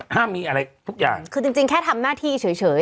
ห้ามมีอะไรทุกอย่างคือจริงจริงแค่ทำหน้าที่เฉยเฉย